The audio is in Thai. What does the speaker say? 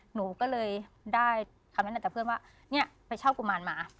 หนูก็เลยได้คำนั้นจากเพื่อนว่าเนี่ยไปเช่ากุมารมา